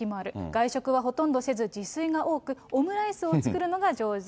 外食はほとんどせず、自炊が多く、オムライスを作るのが上手。